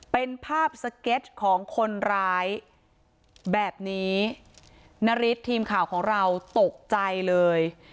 เป็นภาพสเก็ตของคนร้ายแบบนี้นาริสทีมข่าวของเราตกใจเลย